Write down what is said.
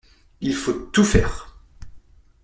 Il faut tout faire !